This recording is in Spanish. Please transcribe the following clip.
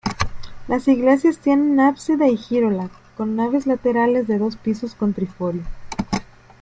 Las iglesias tienen ábside y girola, con naves laterales de dos pisos con triforio.